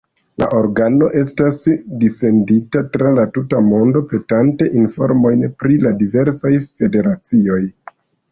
La organo estas dissendita tra la tuta mondo petante informojn pri la diversaj federacioj.